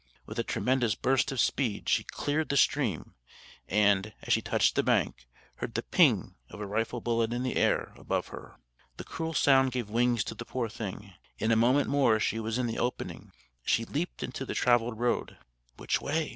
With a tremendous burst of speed she cleared the stream, and, as she touched the bank, heard the "ping" of a rifle bullet in the air above her. The cruel sound gave wings to the poor thing. In a moment more she was in the opening: she leaped into the travelled road. Which way?